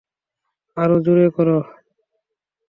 আরো জোরে করো।